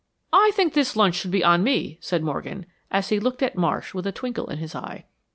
"I think this lunch should be on me," said Morgan, as he looked at Marsh with a twinkle in his eye.